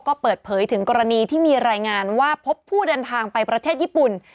ก็เปิดเผยถึงกรณีที่มีรายงานว่าพบผู้เดินทางไปประเทศญี่ปุ่น